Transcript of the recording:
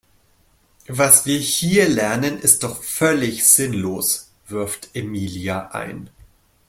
Was wir hier lernen ist doch völlig sinnlos, wirft Emilia ein.